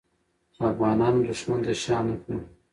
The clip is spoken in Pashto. افغانان دښمن ته شا نه کړه.